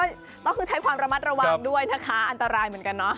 ต้องคือใช้ความระมัดระวังด้วยนะคะอันตรายเหมือนกันเนาะ